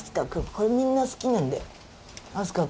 これみんな好きなんだよ